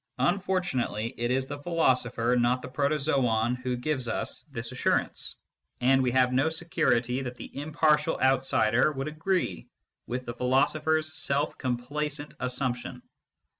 Unfortunately it is the philoso pher, not the protozoon, who gives us this assurance, and we can have no security that the impartial outsider would agree with the philosopher s self complacent assumption.